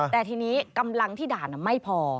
แต่ทีนี้กำลังที่ด่านไม่พอ